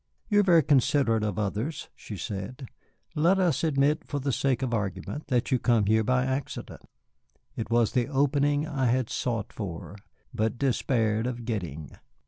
"You are very considerate of others," she said. "Let us admit for the sake of argument that you come here by accident." It was the opening I had sought for, but despaired of getting.